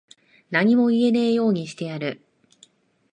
何も言えねぇようにしてやる。